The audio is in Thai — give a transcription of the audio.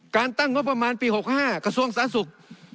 ตั้งงบประมาณปี๖๕กระทรวงสาธารณสุข